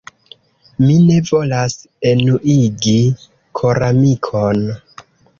Mi ne volas enuigi koramikon.